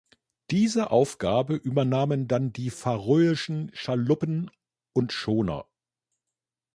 Diese Aufgabe übernahmen dann die färöischen Schaluppen und Schoner.